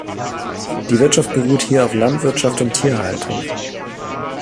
Die Wirtschaft beruht hier auf Landwirtschaft und Tierhaltung.